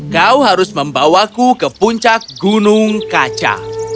kau harus membawaku ke puncak gunung kaca